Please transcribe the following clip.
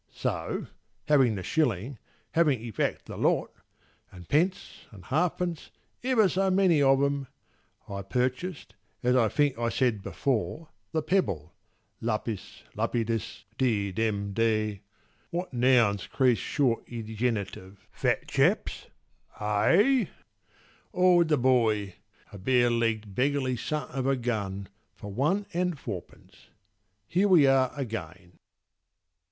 So, having the shilling—having i' fact a lot— And pence and halfpence, ever so many o' them, I purchased, as I think I said before, The pebble (lapis, lapidis, _ di_, _ dem_, _ de_— What nouns 'crease short i' the genitive, Fatchaps, eh?) O' the boy, a bare legg'd beggarly son of a gun, For one and fourpence. Here we are again.